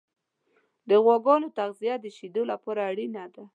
د غواګانو تغذیه د شیدو لپاره اړینه ده.